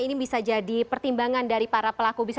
ini bisa jadi pertimbangan dari para pelaku bisnis